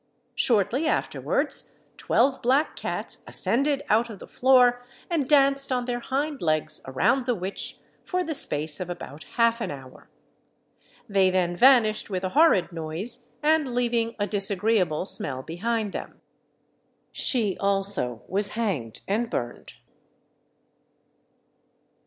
Shortly afterwards twelve black cats ascended out of the floor, and danced on their hind legs around the witch for the space of about half an hour. They then vanished with a horrid noise, and leaving a disagreeable smell behind them. She also was hanged and burned.